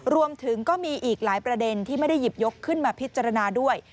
รวมถึงก็มีอีกหลายประเด็นที่ไม่ได้หยิบยกขึ้นมาพิจารณาด้วย